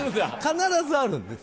必ずあるんです。